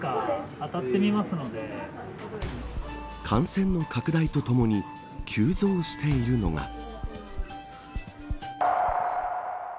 感染の拡大とともに急増しているのが。